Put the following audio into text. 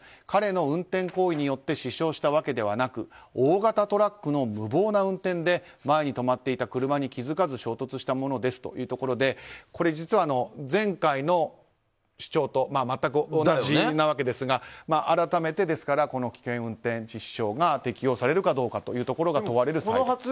彼の運転行為によって死傷したわけでなく大型トラックの無謀な運転で前に止まっていた車に気付かず衝突したものですということでこれは前回の主張と全く同じなわけですが、改めてこの危険運転致死傷が適用されるかどうかが問われる裁判。